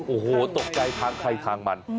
โอ้โหตกใจทางใครทางมัน